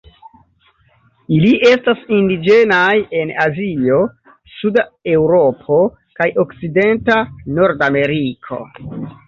Ili estas indiĝenaj en Azio, suda Eŭropo kaj okcidenta Nordameriko.